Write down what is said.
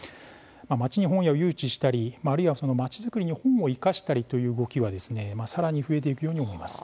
町に本屋を誘致したりあるいは、まちづくりに本を生かしたりという動きはさらに増えていくように思います。